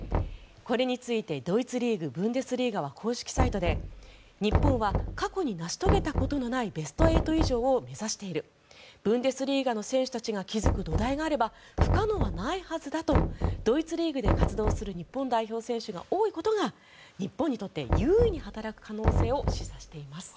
これについてドイツリーグ、ブンデスリーガは公式サイトで、日本は過去に成し遂げたことのないベスト８以上を目指しているブンデスリーガの選手たちが築く土台があれば不可能はないはずだとドイツリーグで活躍する日本代表選手が多いことが日本にとって優位に働く可能性を示唆しています。